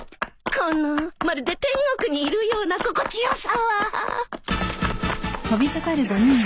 このまるで天国にいるような心地よさはでええい！